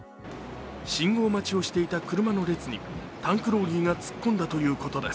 信号待ちをしていた車の列にタンクローリーが突っ込んだということです。